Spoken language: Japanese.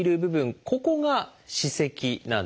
ここが歯石なんです。